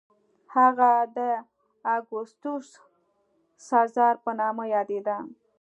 هغه د اګوستوس سزار په نامه یادېده.